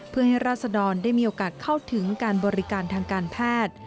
เพื่อให้ราศดรได้มีโอกาสเข้าถึงการบริการทางการแพทย์